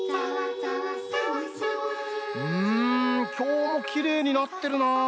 うんきょうもきれいになってるなあ。